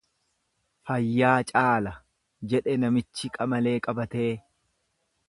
Fayyaa caala, jedhe namichi qamalee baqatee.